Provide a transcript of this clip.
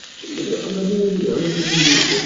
আমার দুই মেয়েকে বিয়ে দিতে হবে।